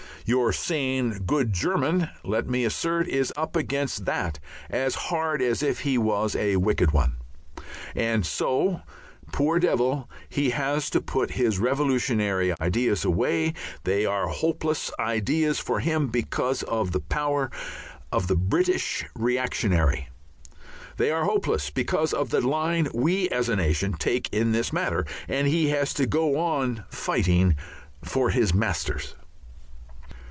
Your sane, good German, let me assert, is up against that as hard as if he was a wicked one. And so, poor devil, he has to put his revolutionary ideas away, they are hopeless ideas for him because of the power of the British reactionary, they are hopeless because of the line we as a nation take in this matter, and he has to go on fighting for his masters.